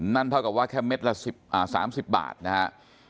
นั่นเท่ากับว่าแค่เม็ดละ๓๐บาทนะฮะ